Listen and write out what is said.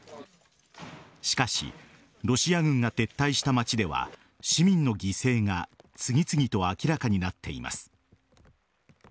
しかしロシア軍が撤退した町では市民の犠牲が次々と明らかになっています。